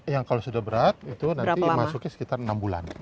yang kalau sudah berat itu nanti masuknya sekitar enam bulan